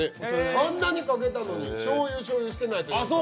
あんなにかけたのに、しょうゆしょうゆしてないというか。